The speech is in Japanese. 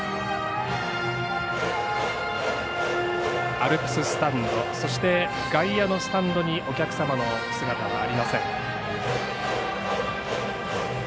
アルプススタンドそして外野のスタンドに、お客様の姿はありません。